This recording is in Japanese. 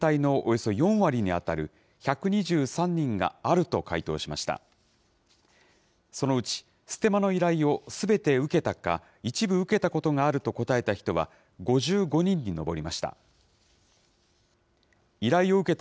そのうち、ステマの依頼をすべて受けたか、一部受けたことがあると答えた人は５５人に上りました。